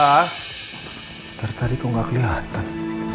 nanti tadi kok nggak kelihatan